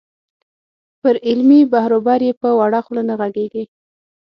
پر علمي بحروبر یې په وړه خوله نه غږېږې.